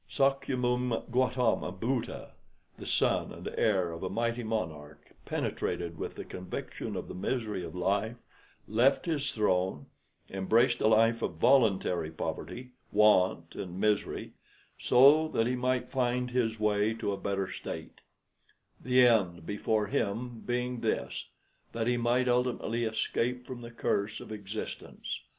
Sakyamoum Gautama Buddha, the son and heir of a mighty monarch, penetrated with the conviction of the misery of life, left his throne, embraced a life of voluntary poverty, want, and misery, so that he might find his way to a better state the end before him being this, that he might ultimately escape from the curse of existence.